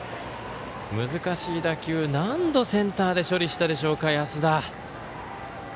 難しい打球何度センターで処理したでしょうか、安田。